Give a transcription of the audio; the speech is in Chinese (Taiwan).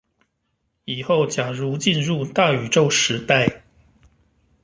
以後假如進入大宇宙時代